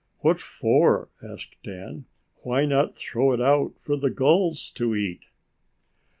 "What for?" asked Dan. "Why not throw it out for the gulls to eat?"